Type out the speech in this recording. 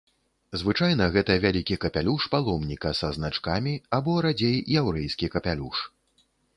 Звычайна гэта вялікі капялюш паломніка са значкамі або, радзей, яўрэйскі капялюш.